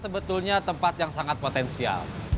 sebetulnya tempat yang sangat potensial